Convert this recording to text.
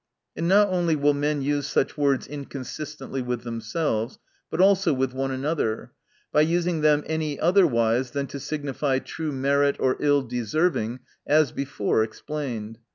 And not only will men use such words inconsistently with themselves but also with one another, by using them any otherwise than to signify trui merit or ill deserving, as before explained.